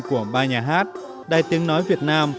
của ba nhà hát đài tiếng nói việt nam